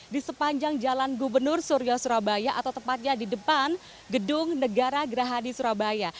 di sepanjang jalan gubernur suria surabaya atau tepatnya di depan gedung negara gerahadi surabaya